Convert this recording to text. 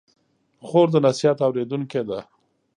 خور د نصیحت اورېدونکې ده.